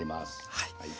はい。